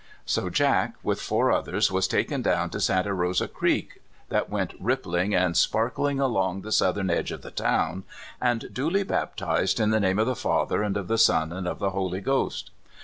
So Jack, with four others, was taken down to Santa Rosa Creek, that went . rippling and sparkling along the southern edge of the town, and duly baptized in the name of the Father and of the Son and of the Holy Ghost.